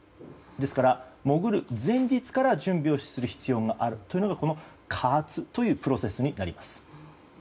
ですから潜る前日から準備をする必要があるというのがこの加圧というプロセスになります。